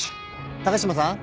高島さん？